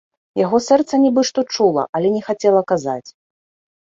Яго сэрца нібы што чула, але не хацела казаць.